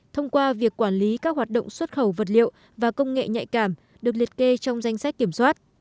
thông qua việc quản lý các hoạt động xuất khẩu vật liệu và công nghệ nhạy cảm được liệt kê trong danh sách kiểm soát